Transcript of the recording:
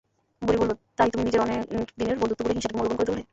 বুড়ি বলল, তাই তুমি নিজের অনেক দিনের বন্ধুত্ব ভুলে হিংসাটাকে মূল্যবান করে তুললে।